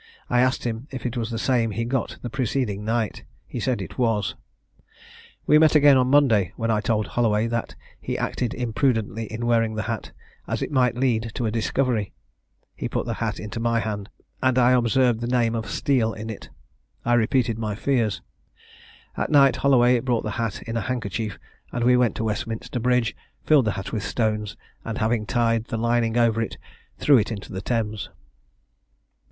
I asked him if it was the same he got the preceding night. He said it was. We met again on the Monday, when I told Holloway that he acted imprudently in wearing the hat, as it might lead to a discovery. He put the hat into my hand, and I observed the name of Steele in it. I repeated my fears. At night Holloway brought the hat in a handkerchief, and we went to Westminster bridge, filled the hat with stones, and, having tied the lining over it, threw it into the Thames."